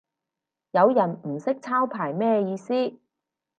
有人唔識抄牌咩意思